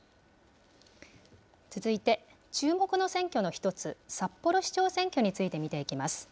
続いて、注目の選挙の１つ、札幌市長選挙について見ていきます。